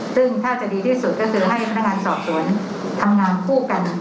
ซึ่งถ้าจะดีที่สุดก็คือให้พนักงานสอบสวนทำงานคู่กัน